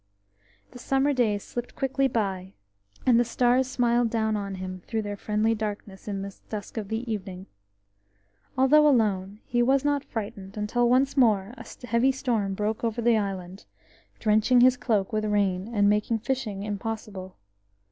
The summer days slipped quickly by, and the stars smiled down on him through the friendly darkness in the dusk of evening. Although alone, he was not frightened until once more a heavy storm broke over the island, drenching his cloak with rain and making fishing impossible.